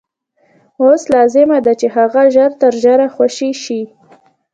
اوس لازمه ده چې هغه ژر تر ژره خوشي شي.